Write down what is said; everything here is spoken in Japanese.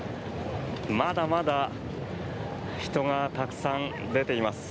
まだまだ人がたくさん出ています。